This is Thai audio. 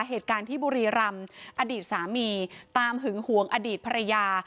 เหตุการณ์ที่บุรีรำอดีตสามีตามหึงหวงอดีตภรรยา